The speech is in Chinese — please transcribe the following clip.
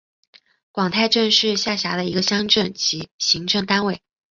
广太镇是下辖的一个乡镇级行政单位。